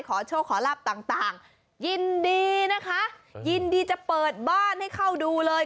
ขอโชคขอลาบต่างยินดีนะคะยินดีจะเปิดบ้านให้เข้าดูเลย